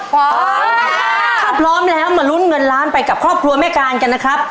พร้อมถ้าพร้อมแล้วมาลุ้นเงินล้านไปกับครอบครัวแม่การกันนะครับ